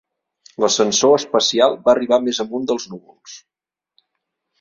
L'ascensor espacial va arribar més amunt dels núvols.